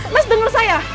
mas denger saya